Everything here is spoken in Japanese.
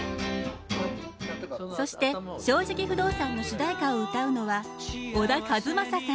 そして「正直不動産」の主題歌を歌うのは小田和正さん。